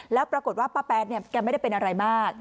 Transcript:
แล้วปรากฏว่าป้าแป๊ดเนี่ยแกไม่ได้เป็นอะไรมาก